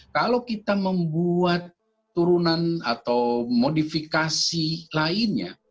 kalau kita membuat turunan atau modifikasi lainnya